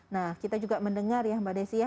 nah kita juga mendengar ya mbak desi ya